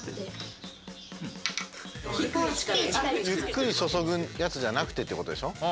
ゆっくり注ぐやつじゃなくてってことでしょ？